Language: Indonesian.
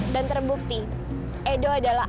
dan terbukti edo adalah